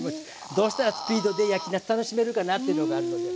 どうしたらスピードで焼きなす楽しめるかなっていうのがあるので。